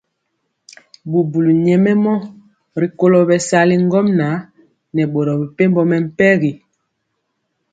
Bubuli nyɛmemɔ rikolo bɛsali ŋgomnaŋ nɛ boro mepempɔ mɛmpegi.